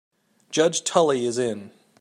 Judge Tully is in.